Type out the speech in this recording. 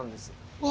うわ！